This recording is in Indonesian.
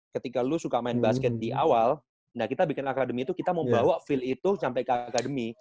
ketika lu suka main basket di awal kita bikin academy itu kita mau bawa feel itu sampai ke academy